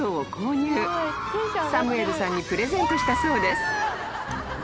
［サムエルさんにプレゼントしたそうです］